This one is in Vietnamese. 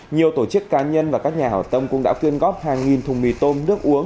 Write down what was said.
nhiều tổ chức cá nhân và các nhà hỏa tâm cũng đã tuyên góp hàng nghìn thùng mì tôm